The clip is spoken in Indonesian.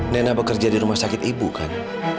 nena bekerja di rumah sakit ibu kan